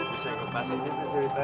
bisa gua pasangin disini aja ya